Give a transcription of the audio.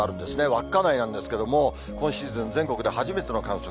稚内なんですけども、今シーズン、全国で初めての観測。